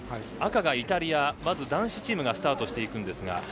赤がイタリア男子チームがまずスタートします。